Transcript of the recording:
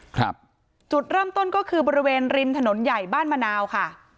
ครับจุดเริ่มต้นก็คือบริเวณริมถนนใหญ่บ้านมะนาวค่ะ